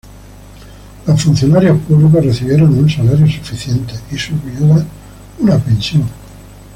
Los funcionarios públicos recibieron un salario suficiente y sus viudas una pensión.